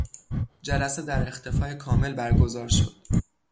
جلسه در اختفای کامل برگزار شد.